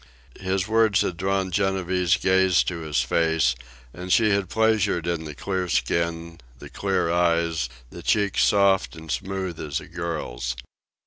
His words had drawn Genevieve's gaze to his face, and she had pleasured in the clear skin, the clear eyes, the cheek soft and smooth as a girl's.